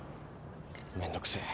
めんどくせえ。